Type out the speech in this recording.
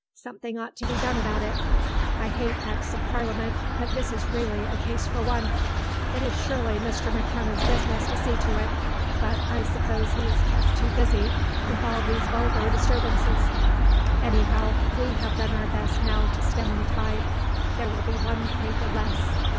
Something ought to be done about it. I hate Acts of Parliament, but this is really a case for one. It is surely Mr. McKenna's business to see to it; but I suppose he is kept too busy with all these vulgar disturbances. Anyhow, we have done our best now to stem the tide. There will be one paper less.